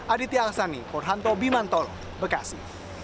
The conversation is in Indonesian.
aditya alksani purhanto bimantol bekasi